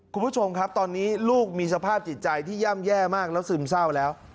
คุณผู้ชมครับตอนนี้ลูกมีสภาพจิตใจที่ย่ำแย่มากแล้วซึมเศร้าแล้ว